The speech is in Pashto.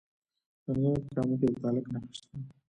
د ننګرهار په کامه کې د تالک نښې شته.